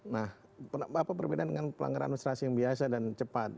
nah apa perbedaan dengan pelanggaran administrasi yang biasa dan cepat